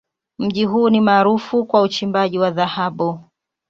Mji huu ni maarufu kwa uchimbaji wa dhahabu.